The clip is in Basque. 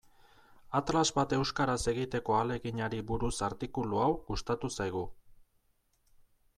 Atlas bat euskaraz egiteko ahaleginari buruz artikulu hau gustatu zaigu.